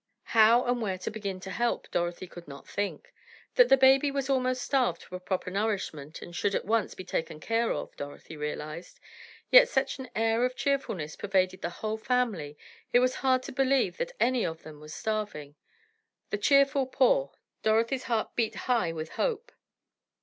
How and where to begin to help, Dorothy could not think. That the baby was almost starved for proper nourishment and should at once be taken care of, Dorothy realized. Yet such an air of cheerfulness pervaded the whole family, it was hard to believe that any of them was starving. The cheerful poor! Dorothy's heart beat high with hope.